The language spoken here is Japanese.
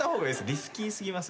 リスキーすぎますよ。